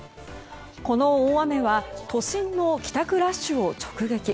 この大雨は都心の帰宅ラッシュを直撃。